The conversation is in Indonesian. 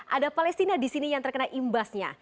ada palestina di sini yang terkena imbasnya